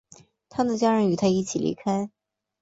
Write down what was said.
他的家人与他一起离开。